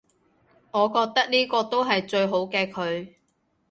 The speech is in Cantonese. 我覺得呢個都係最好嘅佢